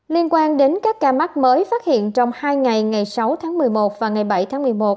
liên quan đến các ca mắc mới phát hiện trong hai ngày ngày sáu tháng một mươi một và ngày bảy tháng một mươi một